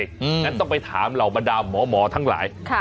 งั้นต้องไปถามเหล่าบรรดาหมอทั้งหลาย